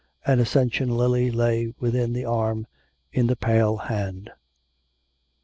An Ascension lily lay within the arm, in the pale hand.